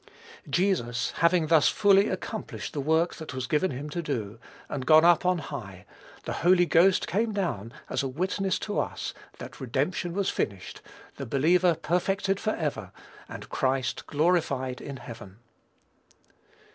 Jesus, having thus fully accomplished the work that was given him to do, and gone up on high, the Holy Ghost came down as a witness to us that redemption was finished, the believer "perfected forever" and Christ glorified in heaven.